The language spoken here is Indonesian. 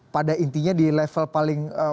pada intinya di level paling